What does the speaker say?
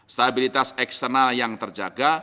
stabilitas eksternal yang terjaga